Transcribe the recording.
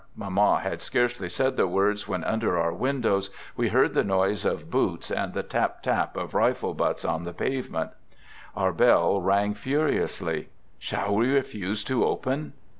" Mamma had scarcely said the words, when, under our windows, we heard the noise of boots and the tap tap of rifle butts on the pavement. Our bell rang furiously. Shall we refuse to open?